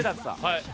はい。